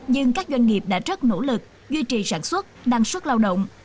nhưng các doanh nghiệp đã rất nỗ lực duy trì sản xuất đăng xuất lao động